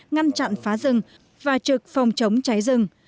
ngăn chặn phá rừng và trực phòng chống cháy rừng